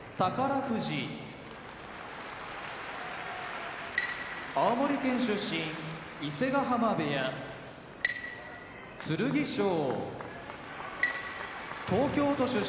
富士青森県出身伊勢ヶ濱部屋剣翔東京都出身